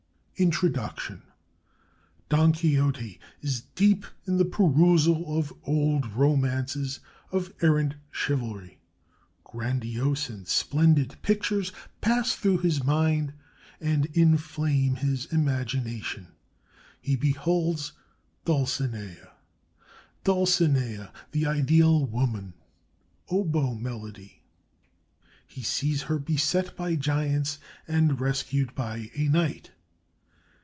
INTRODUCTION Don Quixote is deep in the perusal of old romances of errant chivalry. Grandiose and splendid pictures pass through his mind and inflame his imagination. He beholds Dulcinea Dulcinea, the ideal woman (oboe melody); he sees her beset by giants and rescued by a knight.